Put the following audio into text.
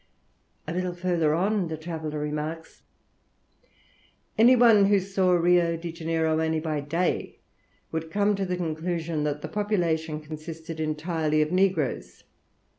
A little further on the traveller remarks, "Any one who saw Rio de Janeiro only by day would come to the conclusion that the population consisted entirely of negroes.